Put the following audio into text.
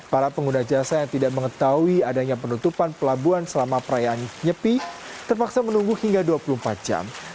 para pengguna jasa yang tidak mengetahui adanya penutupan pelabuhan selama perayaan nyepi terpaksa menunggu hingga dua puluh empat jam